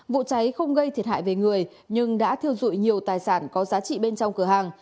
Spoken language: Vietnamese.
vụ cháy không gây thiệt hại về người nhưng đã thiêu dụi nhiều tài sản có giá trị bên trong cửa hàng